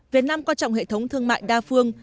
việt nam quan trọng hệ thống thương mại đa phương